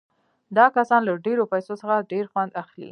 دا کسان له ډېرو پیسو څخه ډېر خوند اخلي